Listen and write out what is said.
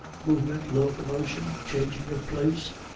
Movement, locomotion, changing of place?